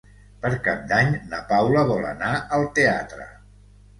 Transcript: Per Cap d'Any na Paula vol anar al teatre.